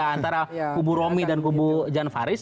antara kubu romi dan kubu jan faris